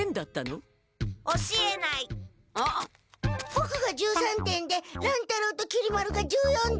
ボクが１３点で乱太郎ときり丸が１４点。